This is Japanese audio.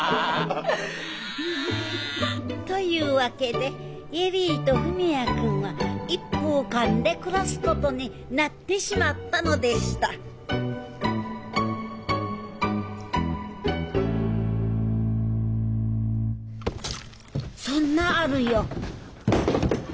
というわけで恵里と文也君は一風館で暮らすことになってしまったのでしたそんなある夜あれあれ！